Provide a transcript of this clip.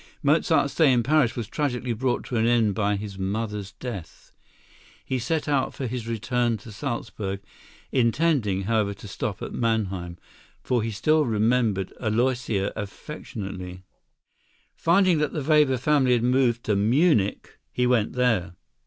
Mozart's stay in Paris was tragically brought to an end by his mother's death. He set out for his return to Salzburg, intending, however, to stop at Mannheim, for he still remembered Aloysia affectionately. Finding that the Weber family had moved to Munich, he went there.